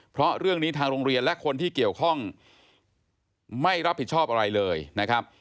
เพราะเรื่องนี้ทางโรงเรียนและคนที่เกี่ยวข้องไม่รับผิดชอบอะไรเลยนะครับ